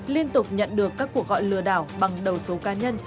liên tục nhận được các cuộc gọi lừa đảo bằng đầu số cá nhân